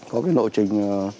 có cái lộ trình